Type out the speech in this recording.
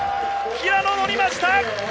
平野、乗りました！